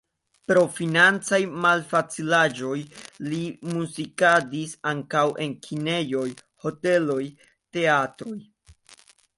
Pro financaj malfacilaĵoj li muzikadis ankaŭ en kinejoj, hoteloj, teatroj.